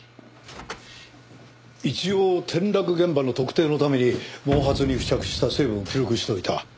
一応転落現場の特定のために毛髪に付着した成分を記録しておいた。